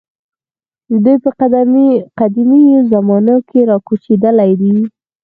دوی په قدیمو زمانو کې راکوچېدلي دي.